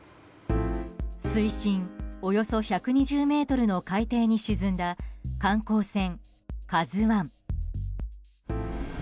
水深およそ１２０ｍの海底に沈んだ観光船「ＫＡＺＵ１」。